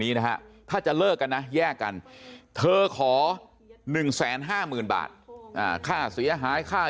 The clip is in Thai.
นี้นะฮะถ้าจะเลิกกันนะแยกกันเธอขอ๑๕๐๐๐บาทค่าเสียหายค่า